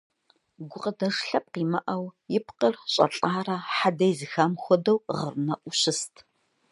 Гукъыдэж лъэпкъ имыӀэу, и пкъыр щӀэлӀарэ хьэдэ изыхам хуэдэу гъырнэӀуу щыст.